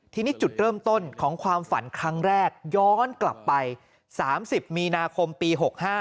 ทีนี้จุดเริ่มต้นของความฝันครั้งแรกย้อนกลับไป๓๐มีนาคมปี๖๕